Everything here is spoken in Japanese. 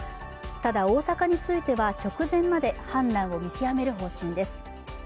ただ大阪については直前まで判断を見極める方針です。